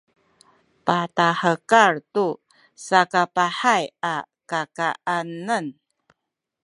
patahekal tu sakapahay a kakanen